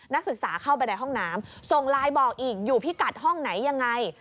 นักศึกษาเข้าไปในห้องน้ำส่งไลน์บอกอีกอยู่พิกัดห้องไหนยังไง